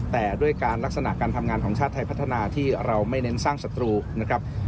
แต่ด้วยการลักษณะการทำงานของชาติไทยพัฒนาที่เราไม่เน้นสร้างศัตรูนะครับ